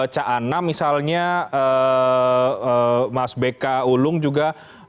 ca'ana misalnya yang berkata ya ini adalah pernyataan dari komisioner yang lain